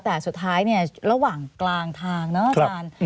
แต่สุดท้ายเนี่ยระหว่างกลางทางนะอาจารย์